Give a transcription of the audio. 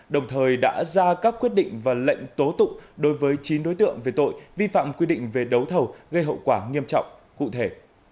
đồng thời đã ra các quyết định và lệnh tố tụng đối với chín đối tượng về tội vi phạm quy định về đấu thầu gây hậu quả nghiêm trọng cụ thể